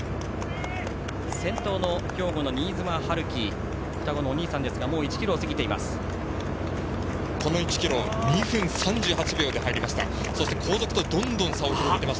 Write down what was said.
先頭の兵庫の新妻遼己双子のお兄さんですがもう１ｋｍを過ぎています。